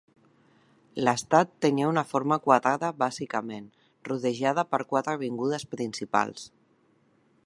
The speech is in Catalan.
L"estat tenia una forma quadrada bàsicament, rodejada per quatre avingudes principals.